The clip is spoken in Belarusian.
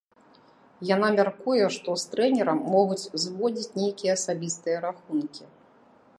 Яна мяркуе, што з трэнерам могуць зводзіць нейкія асабістыя рахункі.